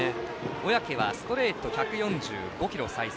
小宅はストレート１４５キロ最速。